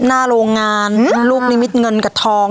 หน้าโรงงานลูกนิมิตเงินกับทอง